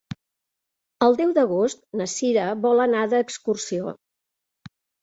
El deu d'agost na Sira vol anar d'excursió.